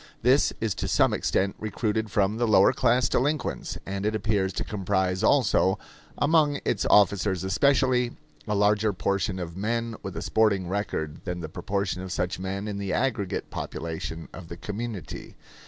This is to some extent recruited from the lower class delinquents, and it appears to comprise also, among its officers especially, a larger proportion of men with a sporting record than the proportion of such men in the aggregate population of the community.